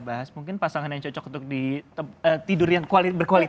jadi kita bisa bahas pasangan yang cocok untuk tidur yang berkualitas